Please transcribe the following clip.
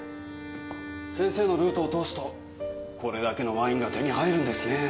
先生のルートを通すとこれだけのワインが手に入るんですねぇ。